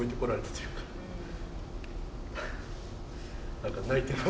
何か泣いてまう。